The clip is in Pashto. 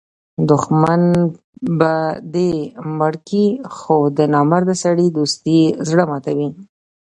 دوښمن به دي مړ کي؛ خو د نامرده سړي دوستي زړه ماتوي.